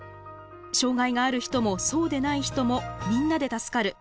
障害がある人もそうでない人もみんなで助かる。